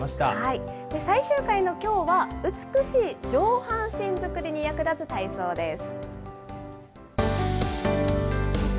最終回のきょうは、美しい上半身作りに役立つ体操です。